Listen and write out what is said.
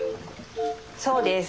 そうです。